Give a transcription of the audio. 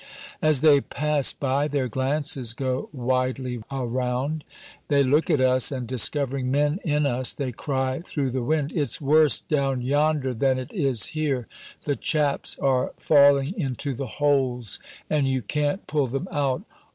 As they pass by their glances go widely around. They look at us, and discovering men in us they cry through the wind, "It's worse down yonder than it is here. The chaps are falling into the holes, and you can't pull them out.